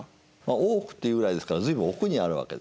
大奥っていうぐらいですから随分奥にあるわけですね。